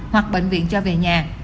hoặc bệnh viện cho về nhà